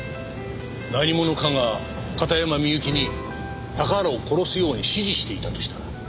何者かが片山みゆきに高原を殺すように指示していたとしたら。